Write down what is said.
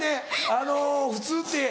あの「普通」って。